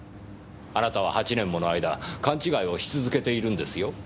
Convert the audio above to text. あなたは８年もの間勘違いをし続けているんですよ。